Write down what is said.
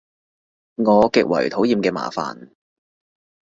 我極為討厭嘅麻煩